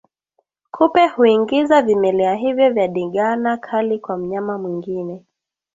Kupe huingiza vimelea hivyo vya ndigana kali kwa mnyama mwingine